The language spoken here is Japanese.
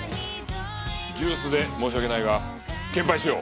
ジュースで申し訳ないが献杯しよう。